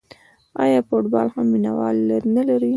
آیا فوتبال هم مینه وال نلري؟